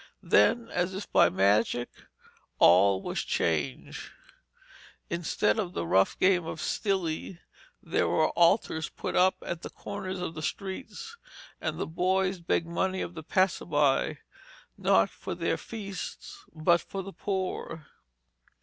Then, as if by magic, all was changed. Instead of the rough game of 'stili,' there were altars put up at the corners of the streets, and the boys begged money of the passers by, not for their feasts, but for the poor.